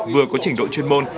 vừa có trình độ chuyên môn